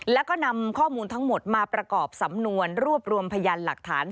แล้วก็นำข้อมูลทั้งหมดมาประกอบสำนวนรวบรวมพยานหลักฐาน